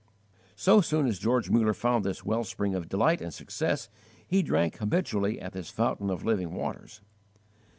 So soon as George Muller found this well spring of delight and success, he drank habitually at this fountain of living waters.